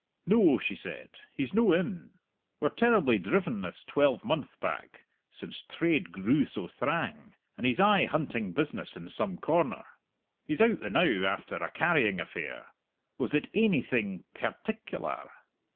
"No," she said, "he's no in. We're terribly driven this twelvemonth back, since trade grew so thrang, and he's aye hunting business in some corner. He's out the now after a carrying affair. Was it ainything perticular?"